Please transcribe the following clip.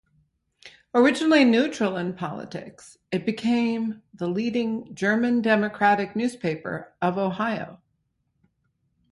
Originally neutral in politics, it later became the leading German Democratic newspaper of Ohio.